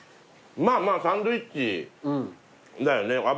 「まぁまぁサンドイッチだよね」